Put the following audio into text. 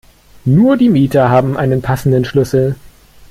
Nur die Mieter haben einen passenden Schlüssel.